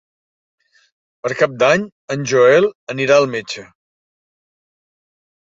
Per Cap d'Any en Joel anirà al metge.